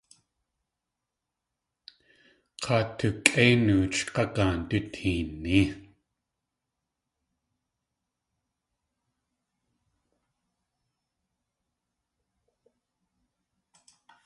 K̲aa tukʼéi nooch g̲agaan duteení.